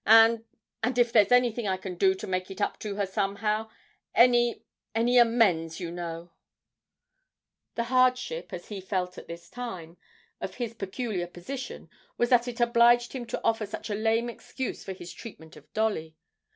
And and, if there's anything I can do to make it up to her somehow; any any amends, you know ' The hardship, as he felt at the time, of his peculiar position was that it obliged him to offer such a lame excuse for his treatment of Dolly.